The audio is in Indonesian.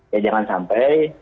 ya jangan sampai